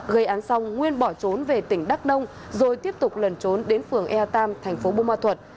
gây án xong nguyên bỏ trốn về tỉnh đắk nông rồi tiếp tục lần trốn đến phường ea tam thành phố bù ma thuật